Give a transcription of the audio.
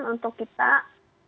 justru yang terjadi merupakan uang